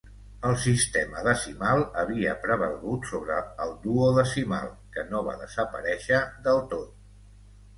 El sistema decimal havia prevalgut sobre el duodecimal, que no va desaparèixer del tot.